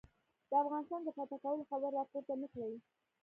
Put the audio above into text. د افغانستان د فتح کولو خبره را پورته نه کړي.